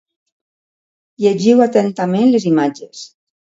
Llegiu atentament les imatges.